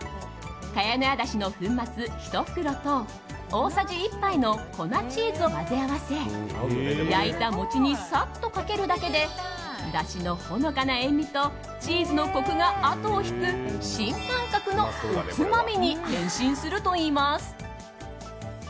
茅乃舎だしの粉末１袋と大さじ１杯の粉チーズを混ぜ合わせ焼いた餅にさっとかけるだけでだしのほのかな塩みとチーズのコクが後を引く新感覚のおつまみに変身するといいます。